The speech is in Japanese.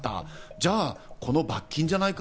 じゃあこの罰金じゃないか。